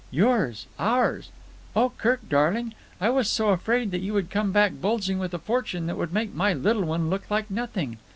Yours. Ours. Oh, Kirk, darling, I was so afraid that you would come back bulging with a fortune that would make my little one look like nothing.